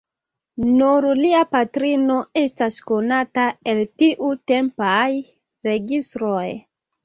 Nur lia patrino estas konata el tiutempaj registroj.